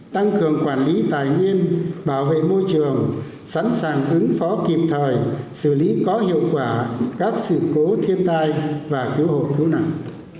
tăng cường quản lý tài nguyên bảo vệ môi trường sẵn sàng ứng phó kịp thời xử lý có hiệu quả các sự cố thiên tai và cứu hộ cứu nạn